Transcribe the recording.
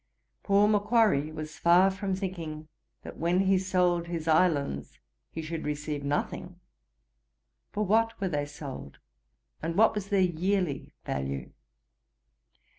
Poor Macquarry was far from thinking that when he sold his islands he should receive nothing. For what were they sold? And what was their yearly value?